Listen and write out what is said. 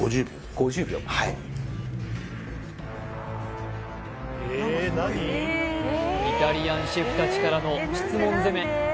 はいイタリアンシェフ達からの質問攻め